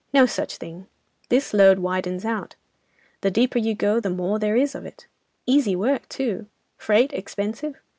No such thing. This lode widens out; the deeper you go, the more there is of it. Easy worked, too. Freight expensive?